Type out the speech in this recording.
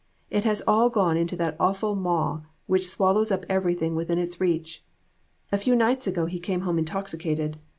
It has all gone into that awful maw which swal lows up everything within its reach. A few nights ago he came home intoxicated.